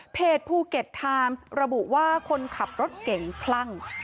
ภูเก็ตไทม์ระบุว่าคนขับรถเก่งคลั่ง